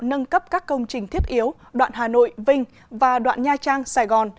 nâng cấp các công trình thiết yếu đoạn hà nội vinh và đoạn nha trang sài gòn